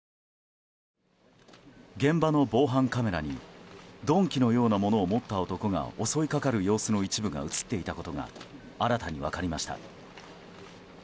現場の防犯カメラに鈍器のようなものを持った男が襲いかかる様子の一部が映っていたことが新たに分かりました。